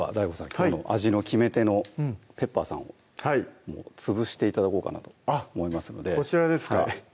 きょうの味の決め手のペッパーさんを潰して頂こうかなと思いますのでこちらですか？